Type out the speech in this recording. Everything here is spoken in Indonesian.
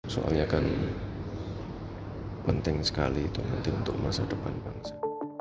soalnya kan penting sekali itu penting untuk masa depan bangsa